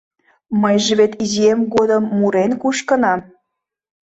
Мыйже вет изиэм годым мурен кушкынам.